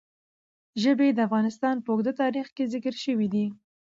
ژبې د افغانستان په اوږده تاریخ کې ذکر شوي دي.